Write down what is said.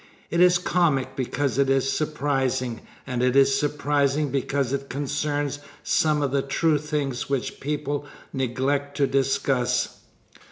It is comic because it is surprising, and it is surprising because it concerns some of the true things which people neglect to discuss.